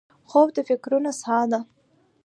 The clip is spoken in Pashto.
خوب د فکرونو سا ده